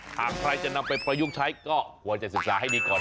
หากใครจะนำไปประยุกต์ใช้ก็ควรจะศึกษาให้ดีก่อน